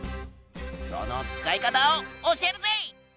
その使い方を教えるぜ！